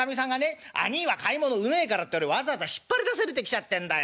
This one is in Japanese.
『兄いは買い物うめえから』ってわざわざ引っ張り出されてきちゃってんだよ。